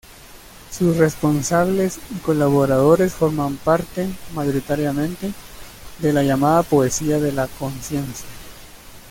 Sus responsables y colaboradores forman parte, mayoritariamente, de la llamada poesía de la conciencia.